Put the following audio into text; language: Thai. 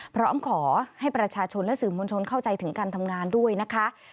พร้อมขอให้ประชาชนและสื่อมวลชนเข้าใจถึงการทำงานด้วยนะคะ